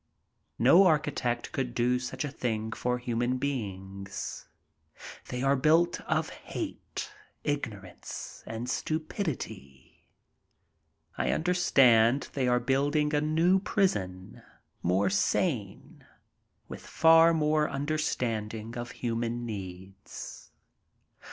No architect could do such a thing for human beings. They are built of hate, ignorance, and stupidity. I understand they are building a new prison, more sane, with far more understanding of human needs.